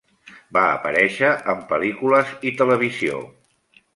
Va aparèixer en pel·lícules i televisió.